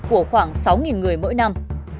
của khoảng sáu người mỗi năm